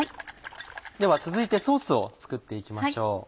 では続いてソースを作って行きましょう。